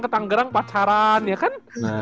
ke tanggerang pacaran ya kan